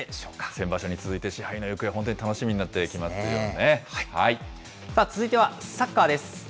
先場所に続いて賜杯の行方、本当に楽しみなってきますよね。続いてはサッカーです。